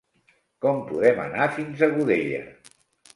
Com podem anar fins a Godella?